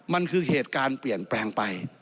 มันคือเหตุการณ์เปลี่ยนแปลงไป